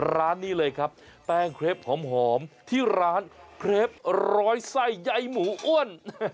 ร้านนี้เลยครับแป้งเครปหอมที่ร้านเครปร้อยไส้ใยหมูอ้วน